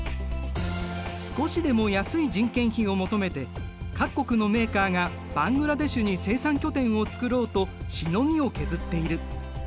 少しでも安い人件費を求めて各国のメーカーがバングラデシュに生産拠点をつくろうとしのぎを削っている。